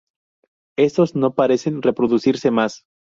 Estos no parecen reproducirse más.